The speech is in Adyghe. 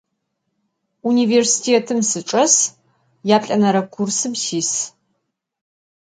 Vunivêrsitêtım sıçç'es, yaplh'enere kursım sis.